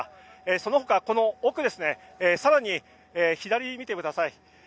その他、この奥ですね更に左を見てください。